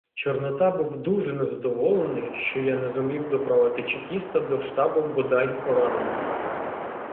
Чорнота був дуже незадоволений, що я не зумів доправити чекіста до штабу бодай пораненим.